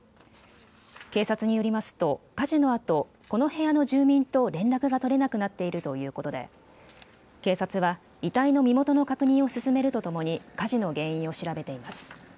警察によりますと火事のあとこの部屋の住民と連絡が取れなくなっているということで警察は遺体の身元の確認を進めるとともに火事の原因を調べています。